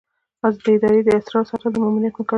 د ادارې د اسرارو ساتل د مامور مکلفیت دی.